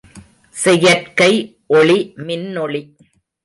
செயற்கை ஒளி மின்னொளி.